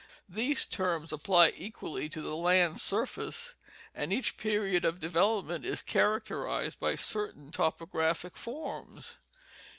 These terms apply equally to the land surface, and each period of development is characterized by 'certain topographic forms.